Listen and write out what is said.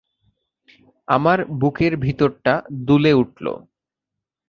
আমার বুকের ভিতরটা দুলে উঠল।